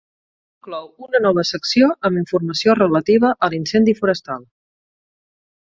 Inclou una nova secció amb informació relativa a l'incendi forestal.